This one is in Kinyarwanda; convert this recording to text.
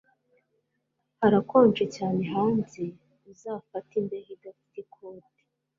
Harakonje cyane hanze Uzafata imbeho idafite ikote